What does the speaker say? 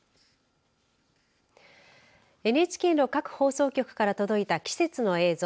ＮＨＫの各放送局から届いた季節の映像。